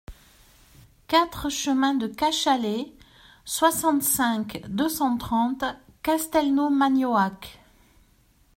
quatre chemin de Cachalet, soixante-cinq, deux cent trente, Castelnau-Magnoac